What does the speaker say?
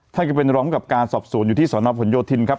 ท่านก็เป็นรองกับการสอบสวนอยู่ที่สนผลโยธินครับ